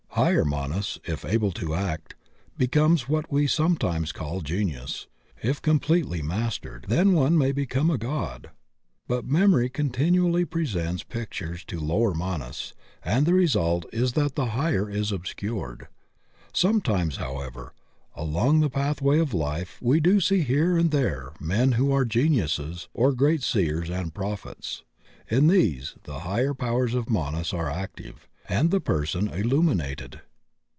Higher Manas, if able to act, becomes what we some times call Genius; if completely master, then one may become a god. But memory continually presents pic tures to Lower Manas, and the result is that the Higher is obscured. Sometimes, however, along the paSiway of life we do see here and there men who are geniuses or great seers and prophets. In these the Higher powers of Manas are active and the per son illuminated.